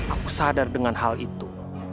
aku sadar dengan hal itu